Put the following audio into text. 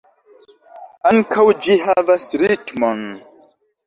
Ankaŭ ĝi havas ritmon.